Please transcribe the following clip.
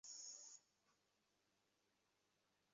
প্রধানমন্ত্রীর সাথে কথা বলতে হবে।